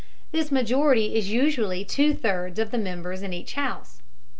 This majority is usually two thirds of the members in each house.